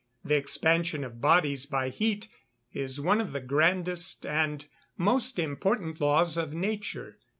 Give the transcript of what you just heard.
The expansion of bodies by heat is one of the grandest and most important laws of nature.